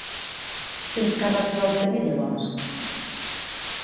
Quins càrrecs va obtenir llavors?